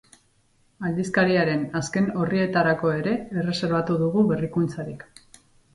Aldizkariaren azken orrietarako ere erreserbatu dugu berrikuntzarik.